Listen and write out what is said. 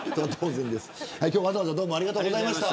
今日はわざわざどうもありがとうございました。